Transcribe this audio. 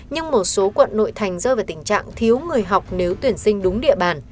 nhưng một số quận nội thành rơi vào tình trạng thiếu người học nếu tuyển sinh đúng địa bàn